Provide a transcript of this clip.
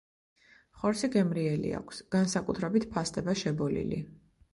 ხორცი გემრიელი აქვს, განსაკუთრებით ფასდება შებოლილი.